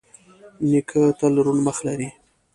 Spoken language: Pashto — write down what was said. نیکه تل روڼ مخ لري.